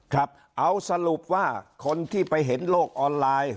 ครับเอาสรุปว่าคนที่ไปเห็นโลกออนไลน์